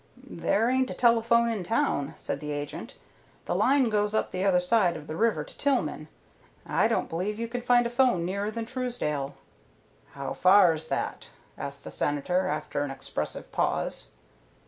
"There ain't a telephone in town," said the agent. "The line goes up the other side of the river to Tillman. I don't believe you can find a 'phone nearer than Truesdale." "How far's that?" asked the Senator, after an expressive pause.